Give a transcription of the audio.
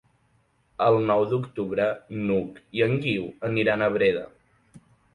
El nou d'octubre n'Hug i en Guiu aniran a Breda.